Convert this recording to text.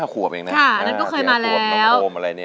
๔๕ขวบเองนะน้องโอมอะไรเนี่ย